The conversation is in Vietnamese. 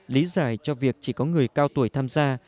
lý giải cho việc chỉ có người cao tuổi tham gia